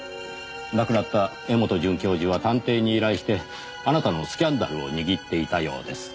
亡くなった柄本准教授は探偵に依頼してあなたのスキャンダルを握っていたようです。